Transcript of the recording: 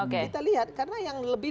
kita lihat karena yang lebih